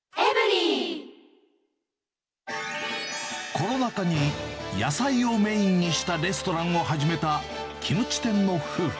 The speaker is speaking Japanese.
コロナ禍に野菜をメインにしたレストランを始めたキムチ店の夫婦。